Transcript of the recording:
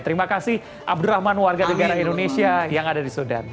terima kasih abdurrahman warga negara indonesia yang ada di sudan